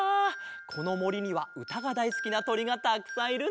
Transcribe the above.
このもりにはうたがだいすきなとりがたくさんいるんだね！